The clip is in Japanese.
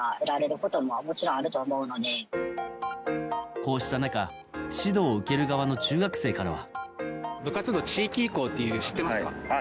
こうした中、指導を受ける側の中学生からは。